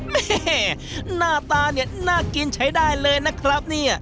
แม่หน้าตาเนี่ยน่ากินใช้ได้เลยนะครับเนี่ย